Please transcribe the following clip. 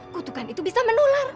kutukan itu bisa menular